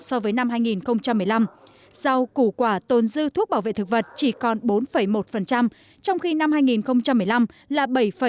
so với năm hai nghìn một mươi năm sau củ quả tồn dư thuốc bảo vệ thực vật chỉ còn bốn một trong khi năm hai nghìn một mươi năm là bảy bảy mươi sáu